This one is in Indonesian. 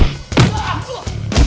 lo sudah bisa berhenti